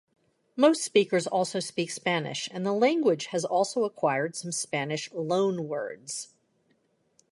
Most speakers also speak Spanish, and the language has also acquired some Spanish loanwords.